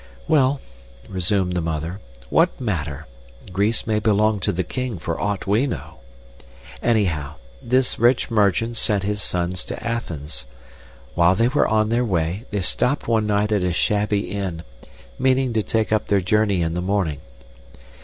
"Well," resumed the mother, "what matter? Greece may belong to the king, for aught we know. Anyhow, this rich merchant sent his sons to Athens. While they were on their way, they stopped one night at a shabby inn, meaning to take up their journey in the morning.